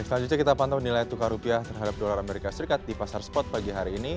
selanjutnya kita pantau nilai tukar rupiah terhadap dolar amerika serikat di pasar spot pagi hari ini